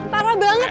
parah banget nih